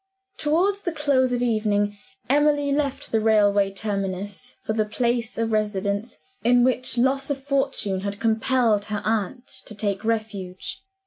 Toward the close of evening Emily left the railway terminus for the place of residence in which loss of fortune had compelled her aunt to take refuge.